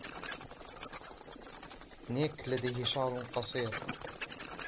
نيك لديه شعر قصير.